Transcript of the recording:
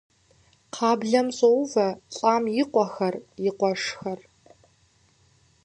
Кхъаблэм щӏоувэ лӏам и къуэхэр, и къуэшхэр.